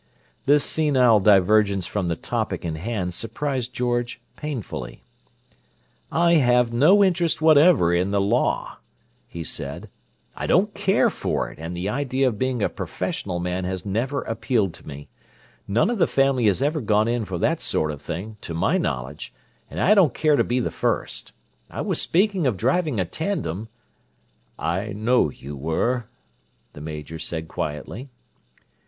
This senile divergence from the topic in hand surprised George painfully. "I have no interest whatever in the law," he said. "I don't care for it, and the idea of being a professional man has never appealed to me. None of the family has ever gone in for that sort of thing, to my knowledge, and I don't care to be the first. I was speaking of driving a tandem—" "I know you were," the Major said quietly.